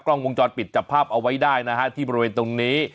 กล้องวงจรปิดจับภาพเอาไว้ได้นะฮะที่บริเวณตรงนี้